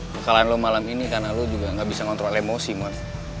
kekalahan lo malam ini karena lo juga gak bisa ngontrol emosi